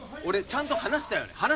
俺ちゃんと話したよね？